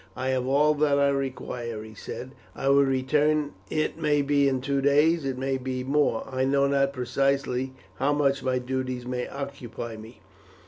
"I have all that I require," he said. "I will return it may be in two days, it may be more I know not precisely how much my duties may occupy me."